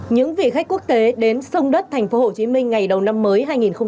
những vị khách quốc tế đến sông đất tp hcm ngày đầu năm mới hai nghìn hai mươi